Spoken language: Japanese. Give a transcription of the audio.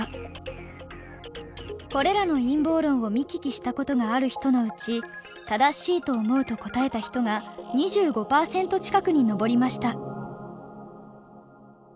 これらの陰謀論を見聞きしたことがある人のうち「正しいと思う」と答えた人が２５％近くに上りました。